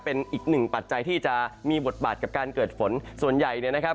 เป็นอีกหนึ่งปัจจัยที่จะมีบทบาทกับการเกิดฝนส่วนใหญ่เนี่ยนะครับ